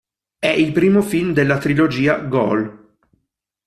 È il primo film della trilogia "Goal!